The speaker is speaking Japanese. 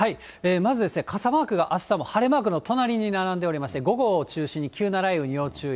まず、傘マークがあしたも晴れマークの隣に並んでおりまして、午後を中心に急な雷雨に要注意。